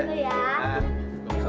sampai dulu ya